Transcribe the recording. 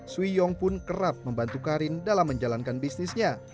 suyong pun kerap membantu karin dalam menjalankan bisnisnya